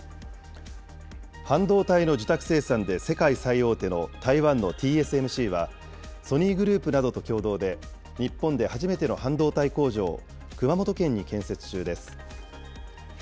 半導体の受託生産で世界最大手の台湾のＴＳＭＣは、ソニーグループなどと共同で、日本で初めての半導体工場を熊本県に建設中です。